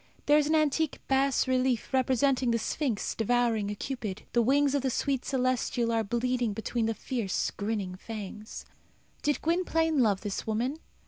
There is an antique bas relief representing the Sphinx devouring a Cupid. The wings of the sweet celestial are bleeding between the fierce, grinning fangs. Did Gwynplaine love this woman?